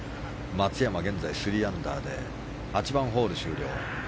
松山は現在３アンダーで８番ホール終了。